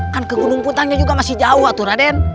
kan ke gunung puntangnya juga masih jauh raden